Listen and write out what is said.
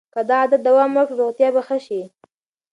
که دا عادت دوام وکړي روغتیا به ښه شي.